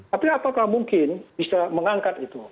tapi apakah mungkin bisa mengangkat itu